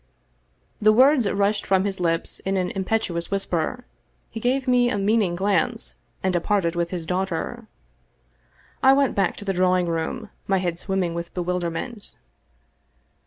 The words rushed from his lips in an impetuous whisper, he gave me a meaning glance, and departed with his daughter. I went back to the drawing room, my head swimming with bewilderment.